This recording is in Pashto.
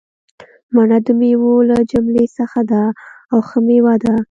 مڼه دمیوو له جملي څخه ده او ښه میوه ده